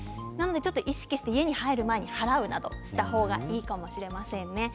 意識して家に入る前に払うなどした方がいいかもしれませんね。